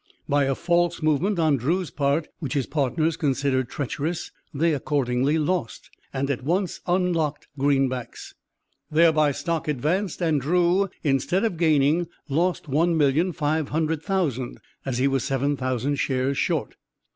By a false movement on Drew's part, which his partners considered treacherous, they accordingly lost, and at once unlocked greenbacks, thereby stock advanced and Drew, instead of gaining, lost one million five hundred thousand, as he was seven thousand shares short.